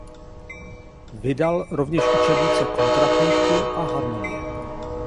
Vydal rovněž učebnice kontrapunktu a harmonie.